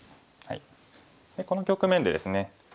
この局面でですね